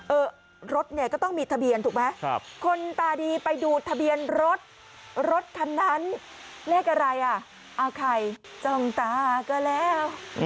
เออรถเนี่ยก็ต้องมีทะเบียนถูกไหมคนตาดีไปดูทะเบียนรถรถคันนั้นเลขอะไรอ่ะเอาใครจองตาก็แล้ว